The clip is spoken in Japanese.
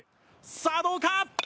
さあどうか？